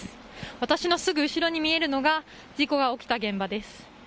私のすぐ後ろに見えるのが事故が起きた現場です。